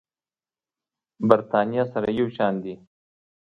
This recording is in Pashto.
برېتانيا سره یو شان دي.